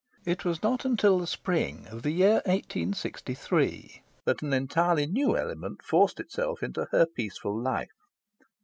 It was not until the Spring of the year 1863 that an entirely new element forced itself into her peaceful life.